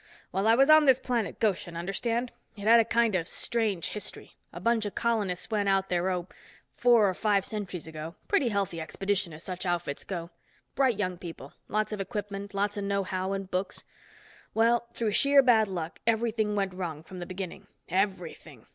Well, I was on this planet Goshen, understand? It had kind of a strange history. A bunch of colonists went out there, oh, four or five centuries ago. Pretty healthy expedition, as such outfits go. Bright young people, lots of equipment, lots of know how and books. Well, through sheer bad luck everything went wrong from the beginning. Everything.